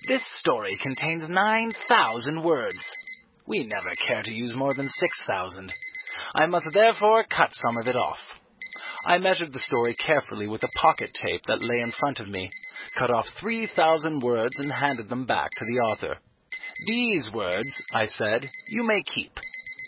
"This story contains nine thousand words. We never care to use more than six thousand. I must therefore cut some of it off." I measured the story carefully with a pocket tape that lay in front of me, cut off three thousand words and handed them back to the author. "These words," I said, "you may keep.